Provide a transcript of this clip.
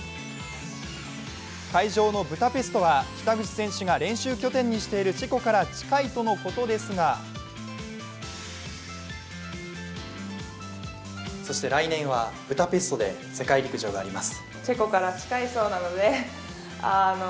会場のブタペストは北口選手が練習拠点にしているチェコから近いとのことですが来年はブダペストで世界陸上があります。